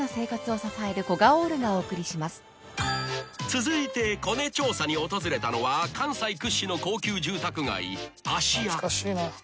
［続いてコネ調査に訪れたのは関西屈指の高級住宅街］